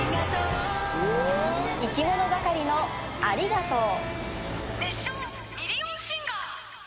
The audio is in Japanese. いきものがかりのありがとう。